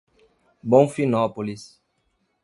Bonfinópolis